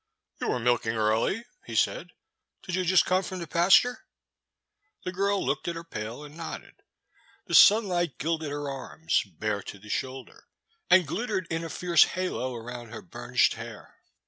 You are milking early," he said, did you just come from the pasture ?" The girl looked at her pail and nodded. The sunlight gilded her arms, bare to the shoulder, and glittered in a fierce halo around her burnished hair.